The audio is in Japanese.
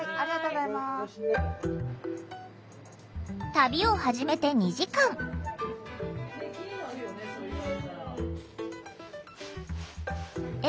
旅を始めて２時間。笑